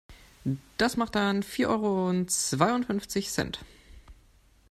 Das macht dann vier Euro und zweiundfünfzig Cent.